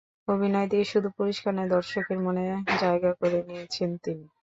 অভিনয় দিয়ে শুধু পুরস্কার নয়, দর্শকদের মনেও জায়গা করে নিয়েছেন তিনি।